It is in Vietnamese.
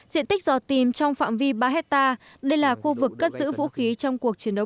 diện tích giò tìm trong phạm vi ba hectare đây là khu vực cất giữ vũ khí trong cuộc chiến đấu